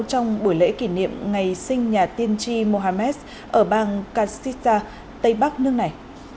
trong buổi lễ kỷ niệm ngày sinh nhà tiên tri mohammed ở bang kasita tây bắc nước này